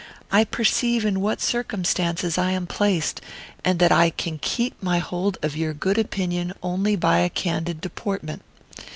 I perceive in what circumstances I am placed, and that I can keep my hold of your good opinion only by a candid deportment.